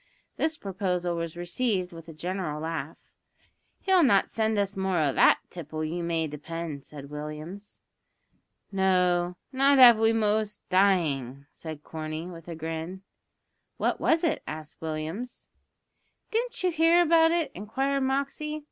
This proposal was received with a general laugh. "He'll not send us more o' that tipple, you may depend," said Williams. "No, not av we wos dyin'," said Corney, with a grin. "What was it?" asked Williams. "Didn't you hear about it?" inquired Moxey.